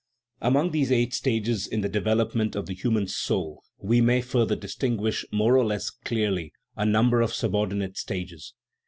Among these eight stages in the development of the human soul we may further distinguish more or less clearly a number of subordinate stages.